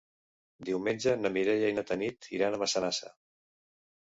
Diumenge na Mireia i na Tanit iran a Massanassa.